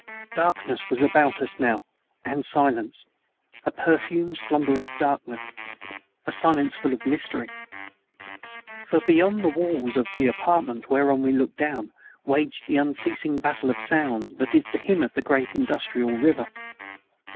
Darkness was about us now, and silence: a perfumed, slumberous darkness a silence full of mystery. For, beyond the walls of the apartment whereon we looked down waged the unceasing battle of sounds that is the hymn of the great industrial river.